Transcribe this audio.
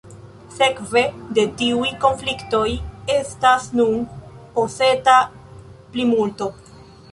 Sekve de tiuj konfliktoj estas nun oseta plimulto.